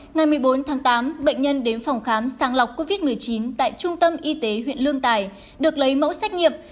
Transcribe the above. ngày một mươi bốn tháng tám bệnh nhân đến phòng khám sàng lọc covid một mươi chín tại trung tâm y tế huyện lương tài được lấy mẫu xét nghiệm